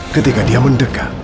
ketika dia mendekat